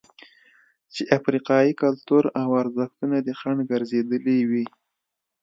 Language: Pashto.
چې افریقايي کلتور او ارزښتونه دې خنډ ګرځېدلي وي.